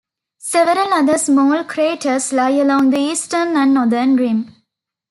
Several other small craters lie along the eastern and northern rim.